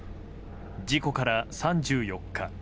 事故から３４日